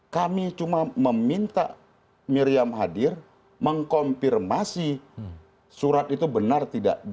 kami cuma meminta miriam hadir mengkonfirmasi surat itu benar tidak